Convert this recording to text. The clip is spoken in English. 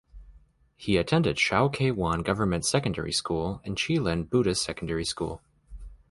He attended Shau Kei Wan Government Secondary School and Chi Lin Buddhist Secondary School.